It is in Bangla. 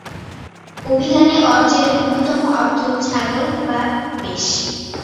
অভিধানে অজ-এর অন্যতম অর্থ ছাগল বা মেষ।